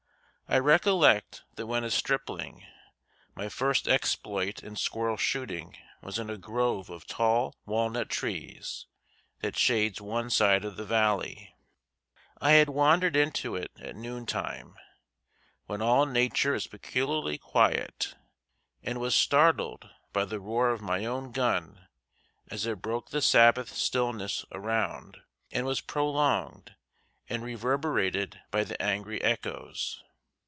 I recollect that when a stripling my first exploit in squirrel shooting was in a grove of tall walnut trees that shades one side of the valley. I had wandered into it at noontime, when all Nature is peculiarly quiet, and was startled by the roar of my own gun as it broke the Sabbath stillness around and was prolonged and reverberated by the angry echoes.